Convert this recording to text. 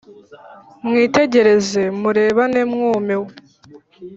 Mwitegereze, murebane mwumiwe!